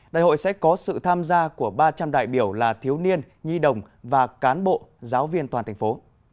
đại hội sẽ có sự tham gia của ba trăm linh đại biểu là thiếu niên nhi đồng và cán bộ giáo viên toàn thành phố